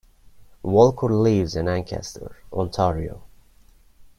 Walker lives in Ancaster, Ontario.